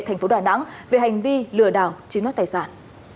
thành phố đà nẵng về hành vi lừa đảo chiếm đoạt tài sản